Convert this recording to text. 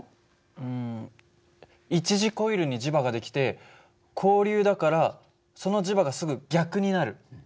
うん一次コイルに磁場が出来て交流だからその磁場がすぐ逆になる。